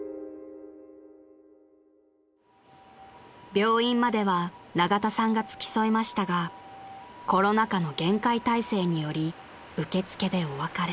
［病院までは永田さんが付き添いましたがコロナ禍の厳戒態勢により受付でお別れ］